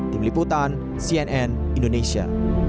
tim liputan cnn indonesia